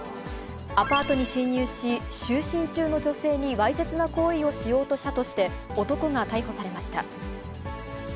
アパートに侵入し、就寝中の女性にわいせつな行為をしようとしたとして、男が逮捕されました。